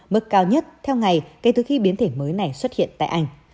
mức cao nhất theo ngày kể từ khi biến thể mới này xuất hiện tại anh